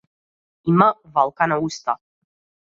Има валкана уста.